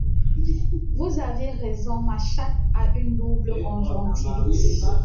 Vous aviez raison, ma chatte a une double conjonctivite.